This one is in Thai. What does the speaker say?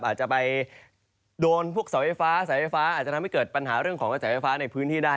อาจจะไปโดนพวกเสาไฟฟ้าสายไฟฟ้าอาจจะทำให้เกิดปัญหาเรื่องของกระแสไฟฟ้าในพื้นที่ได้